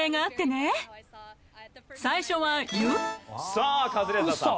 さあカズレーザーさん。